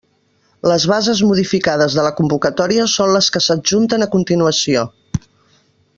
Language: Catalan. Les bases modificades de la convocatòria són les que s'adjunten a continuació.